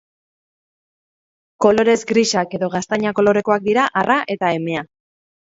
Kolorez grisak edo gaztaina kolorekoak dira arra eta emea.